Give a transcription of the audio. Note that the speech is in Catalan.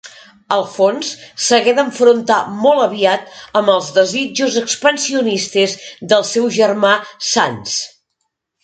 Alfons s'hagué d'enfrontar molt aviat amb els desitjos expansionistes del seu germà Sanç.